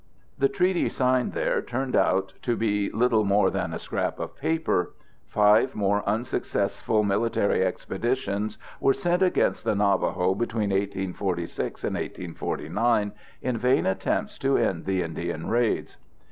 The treaty signed there turned out to be little more than a scrap of paper. Five more unsuccessful military expeditions were sent against the Navajos between 1846 and 1849 in vain attempts to end the Indian raids.